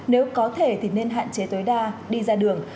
nếu có thể thì nên hạn chế tối đa đi ra đường